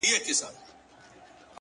سیاه پوسي ده؛ دا دی لا خاندي؛